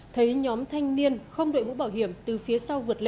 thấy nhóm thanh niên không đội mũ bảo hiểm từ phía sau vượt lên